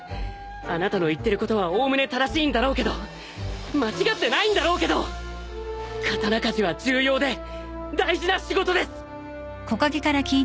あなたの言ってることはおおむね正しいんだろうけど間違ってないんだろうけど刀鍛冶は重要で大事な仕事です！